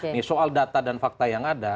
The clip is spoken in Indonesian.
nih soal data dan fakta yang ada